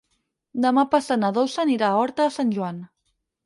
Demà passat na Dolça anirà a Horta de Sant Joan.